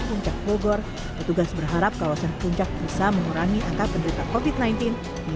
puncak bogor petugas berharap kawasan puncak bisa mengurangi angka penderita covid sembilan belas di